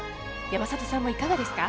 山里さんもいかがですか？